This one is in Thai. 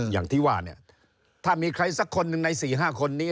อย่างที่ว่าเนี่ยถ้ามีใครสักคนหนึ่งใน๔๕คนนี้